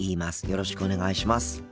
よろしくお願いします。